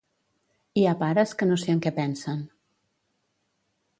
Hi ha pares que no sé en què pensen.